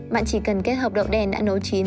bạn chỉ cần kết hợp độ đen đã nấu chín